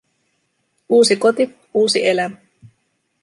Uusi koti, uusi elämä.